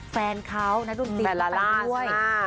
แฟนเขาณดุลตีนไปด้วย